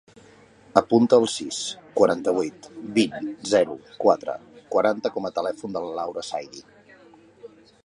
Apunta el sis, quaranta-vuit, vint, zero, quatre, quaranta com a telèfon de la Laura Saidi.